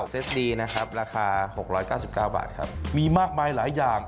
เซ็ตดีนะครับราคา๖๙๙บาทครับมีมากมายหลายอย่าง